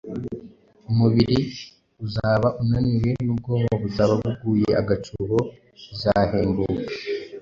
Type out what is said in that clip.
Umubiri uzaba unaniwe n’ubwonko buzaba buguye agacuho bizahembuka,